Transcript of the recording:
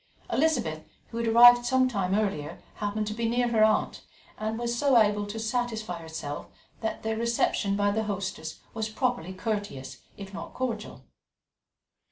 Elizabeth, who had arrived some time earlier, happened to be near her aunt, and so was able to satisfy herself that their reception by their hostess was properly courteous, if not cordial.